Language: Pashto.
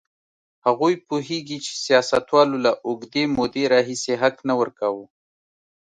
هغوی پوهېږي چې سیاستوالو له اوږدې مودې راهیسې حق نه ورکاوه.